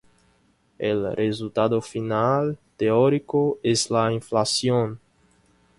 El resultado final teórico es la inflación.